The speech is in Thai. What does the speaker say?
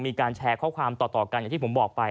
มีการแชร์ข้อความต่อกันอย่างที่ผมบอกไป